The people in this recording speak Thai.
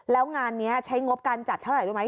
แล้วงานนี้ใช้งบการจัดเท่าไหร่รู้ไหม